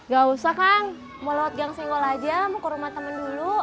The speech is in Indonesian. gak usah kang mau lewat gang senggol aja mau ke rumah temen dulu